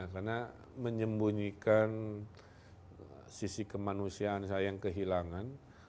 karena menyembunyikan sisi kemanusiaan saya yang kehilangan